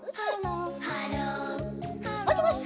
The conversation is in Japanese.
もしもし？